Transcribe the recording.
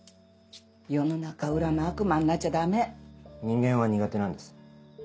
世の中を恨む悪魔になっちゃダメ人間は苦手なんです